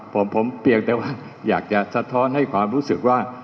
ผมเพียงแต่ว่าอยากจะสะท้อนให้ความรู้สึกว่า